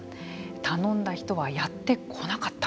頼んだ人はやってこなかった。